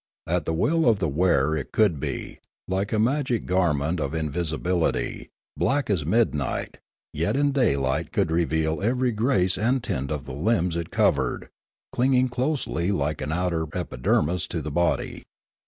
At the will of the wearer it could be, like a magic garment of invis ibility, black as midnight, yet in daylight could reveal every grace and tint of the limbs it covered, clinging closely like an outer epidermis to the body.